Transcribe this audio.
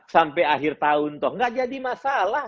sampai akhir tahun tidak jadi masalah